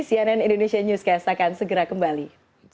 cnn indonesia newscast akan segera kembali